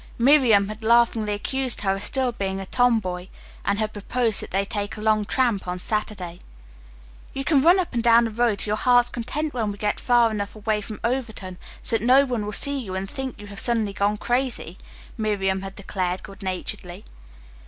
Miriam had laughingly accused her of still being a tomboy, and had proposed that they take a long tramp on Saturday. "You can run up and down the road to your heart's content when we get far enough away from Overton so that no one will see you and think you have suddenly gone crazy," Miriam had declared good naturedly.